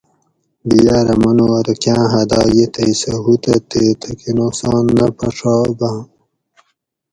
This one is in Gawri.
دی یاٞرہ منُو ارو کاٞں حدائ یہ تھئ سٞہ ہُو تہ تے تھکٞہ نُقصان نہ پھݭاباٞں